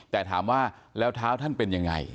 แต่ถามว่าแล้วเท้าท่านเป็นยังไง